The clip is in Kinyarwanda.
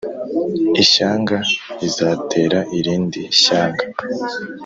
Ishyanga rizatera irindi shyanga